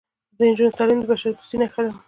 د نجونو تعلیم د بشردوستۍ نښه ده.